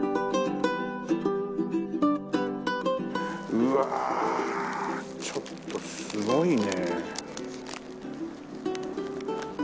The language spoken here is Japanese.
うわちょっとすごいね。